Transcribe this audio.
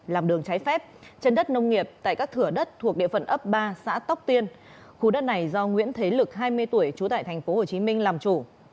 làm đường trái phép trên đất nông nghiệp tại các thửa đất thuộc địa phận ấp ba xã tóc tiên khu đất này do nguyễn thế lực hai mươi tuổi trú tại tp hcm làm chủ